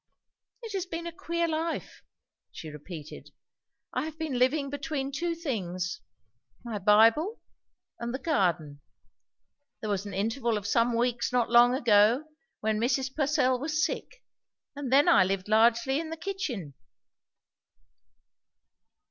"It has been a queer life," she repeated. "I have been living between two things, my Bible, and the garden. There was an interval of some weeks not long ago, when Mrs. Purcell was sick; and then I lived largely in the kitchen."